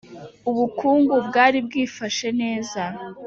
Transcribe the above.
ubukungu bwari bwifashe neza,